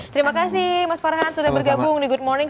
terima kasih mas farhan sudah bergabung di good morning